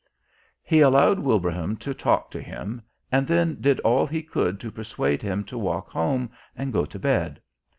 He allowed Wilbraham to talk to him and then did all he could to persuade him to walk home and go to bed.